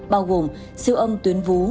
bao gồm siêu âm tuyến vú